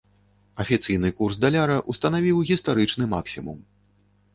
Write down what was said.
Афіцыйны курс даляра ўстанавіў гістарычны максімум.